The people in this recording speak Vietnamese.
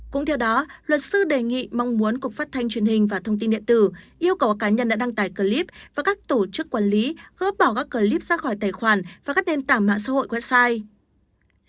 cũng theo đó luật sư đề nghị mong muốn cục phát thanh truyền hình và thông tin điện tử yêu cầu cá nhân đã đăng tải clip và các tổ chức quản lý gỡ bỏ các clip ra khỏi tài khoản và các nền tảng mạng xã hội website